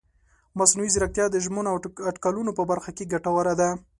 مصنوعي ځیرکتیا د ژمنو او اټکلونو په برخه کې ګټوره ده.